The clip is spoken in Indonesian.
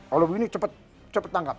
kalau begini cepat tangkap